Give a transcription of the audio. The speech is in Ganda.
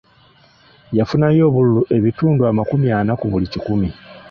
Yafunayo obululu ebitundu amakumi ana ku buli kikumi.